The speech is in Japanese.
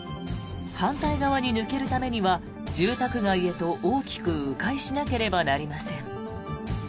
反対側に抜けるためには住宅街へと大きく迂回しなければなりません。